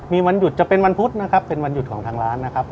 มีวันหยุดจะเป็นวันพุธนะครับเป็นวันหยุดของทางร้านนะครับ